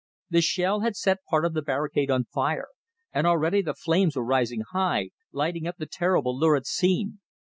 The shell had set part of the barricade on fire, and already the flames were rising high, lighting up the terrible, lurid scene.